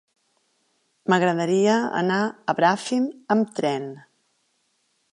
M'agradaria anar a Bràfim amb tren.